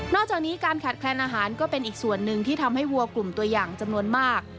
จากนี้การขาดแคลนอาหารก็เป็นอีกส่วนหนึ่งที่ทำให้วัวกลุ่มตัวอย่างจำนวนมาก